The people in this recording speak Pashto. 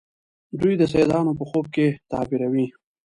دوی د سیدانو په خوب کې تعبیروي.